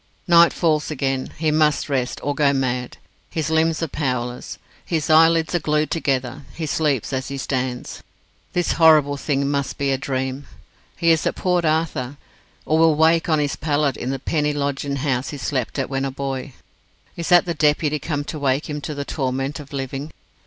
Night falls again. He must rest, or go mad. His limbs are powerless. His eyelids are glued together. He sleeps as he stands. This horrible thing must be a dream. He is at Port Arthur, or will wake on his pallet in the penny lodging house he slept at when a boy. Is that the Deputy come to wake him to the torment of living?